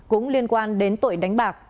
cũng liên quan đến tội đánh bạc